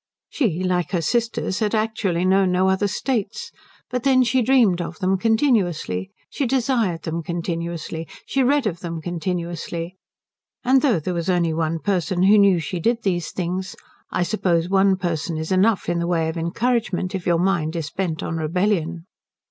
She, like her sisters, had actually known no other states; but then she dreamed of them continuously, she desired them continuously, she read of them continuously; and though there was only one person who knew she did these things I suppose one person is enough in the way of encouragement if your mind is bent on rebellion.